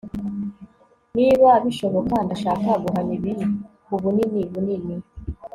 niba bishoboka, ndashaka guhana ibi kubunini bunini